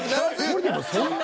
［これでもそんな］